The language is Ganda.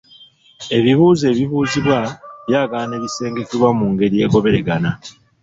Ebibuuzo ebibuuzibwa byagala ne bisengekebwa mu ngeri egoberegana.